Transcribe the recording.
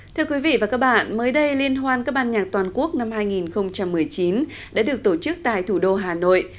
thưa quý vị và các bạn mới đây liên hoan các ban nhạc toàn quốc năm hai nghìn một mươi chín đã được tổ chức tại thủ đô hà nội